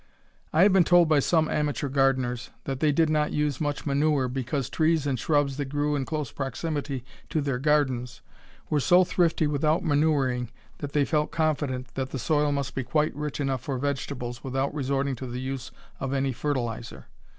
I have been told by some amateur gardeners that they did not use much manure because trees and shrubs that grew in close proximity to their gardens were so thrifty without manuring that they felt confident that the soil must be quite rich enough for vegetables without resorting to the use of any fertilizer.